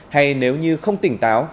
hay nếu như không tỉnh táo